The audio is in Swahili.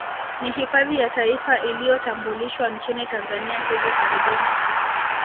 Ni hifadhi ya Taifa iliyotambulishwa nchini Tanzania hivi karibuni